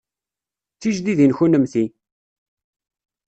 D tijdidin kunemti?